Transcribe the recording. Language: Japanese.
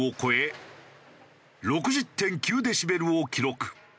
６０．９デシベルを記録。